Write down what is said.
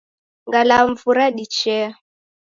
Ngalamvu radichea.